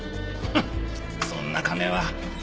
ハッそんな金は。